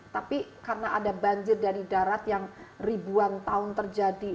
tapi karena ada banjir dari darat yang ribuan tahun terjadi